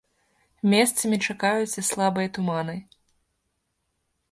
Месцамі чакаюцца слабыя туманы.